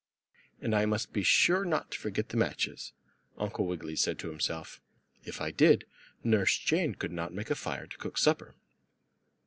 "And I must be sure not to forget the matches," Uncle Wiggily said to himself. "If I did Nurse Jane could not make a fire to cook supper."